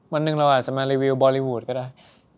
วันหนึ่งเราอาจจะมารีวิวบอลลีวูดก็ได้